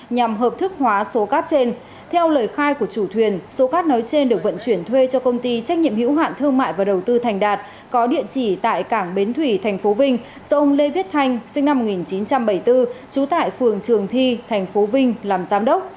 nhằm hợp thức hóa số cát trên theo lời khai của chủ thuyền số cát nói trên được vận chuyển thuê cho công ty trách nhiệm hữu hạn thương mại và đầu tư thành đạt có địa chỉ tại cảng bến thủy tp vinh do ông lê viết thanh sinh năm một nghìn chín trăm bảy mươi bốn trú tại phường trường thi tp vinh làm giám đốc